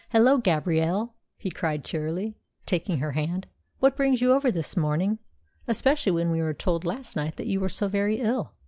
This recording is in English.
"Hallo, Gabrielle!" he cried cheerily, taking her hand, "what brings you over this morning, especially when we were told last night that you were so very ill?"